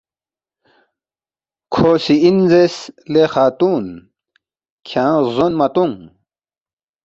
کھو سی اِن زیرس، ”لے خاتُون کھیانگ غزون مہ تونگ